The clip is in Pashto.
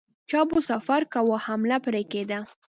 چا به سفر کاوه حمله پرې کېده.